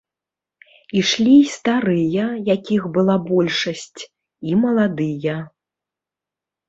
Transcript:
Ішлі і старыя, якіх была большасць, і маладыя.